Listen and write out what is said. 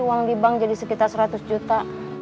uang dibang jadi sekitar seratus juta